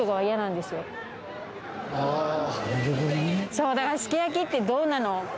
そうだからすき焼きってどうなの？